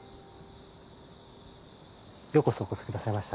ようこそお越しくださいました。